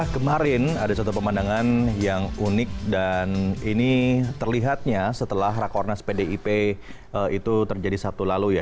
kemarin ada satu pemandangan yang unik dan ini terlihatnya setelah rakornas pdip itu terjadi sabtu lalu ya